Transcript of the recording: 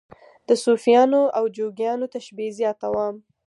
د صوفیانو او جوګیانو تشبیه زیاته وه.